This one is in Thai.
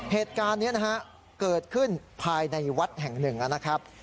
เหตุการณ์นี้นะฮะเกิดขึ้นภายในวัดแห่งหนึ่งนะครับ